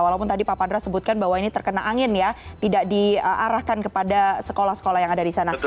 walaupun tadi pak pandra sebutkan bahwa ini terkena angin ya tidak diarahkan kepada sekolah sekolah yang ada di sana